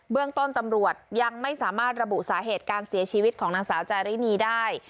เรื่องต้นตำรวจยังไม่สามารถระบุสาเหตุการเสียชีวิตของนางสาวจารินีได้